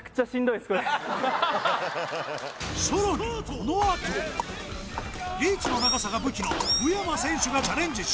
このあとリーチの長さが武器の宇山選手がチャレンジし・